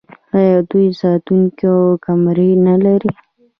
آیا دوی ساتونکي او کمرې نلري؟